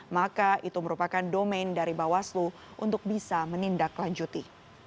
maka itu merupakan domain dari bawaslu untuk bisa menindaklanjuti